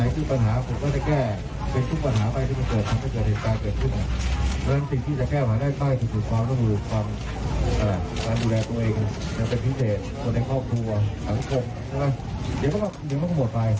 ทุกคนรอบครัวฯทั้งข่วงเดี๋ยวก็หมดไป